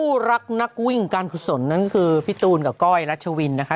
รักนักวิ่งการกุศลนั่นก็คือพี่ตูนกับก้อยรัชวินนะคะ